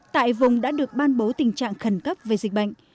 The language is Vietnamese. tại vùng đã được ban bố tình trạng khẩn cấp về dịch bệnh